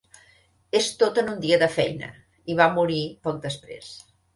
"És tot en un dia de feina" i va morir poc després.